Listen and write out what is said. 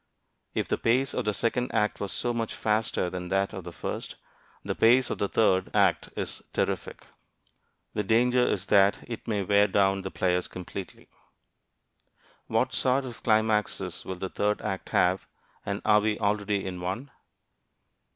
If the pace of the second act was so much faster than that of the first, the pace of the third act is terrific. The danger is that it may wear down the players completely. What sort of climaxes will the third act have, and are we already in one?